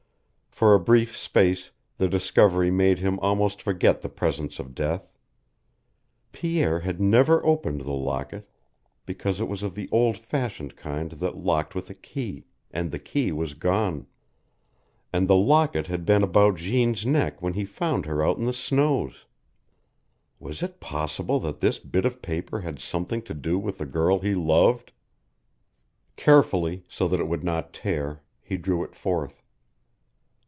For a brief space the discovery made him almost forget the presence of death. Pierre had never opened the locket, because it was of the old fashioned kind that locked with a key, and the key was gone. And the locket had been about Jeanne's neck when he found her out in the snows! Was it possible that this bit of paper had something to do with the girl he loved? Carefully, so that it would not tear, he drew it forth.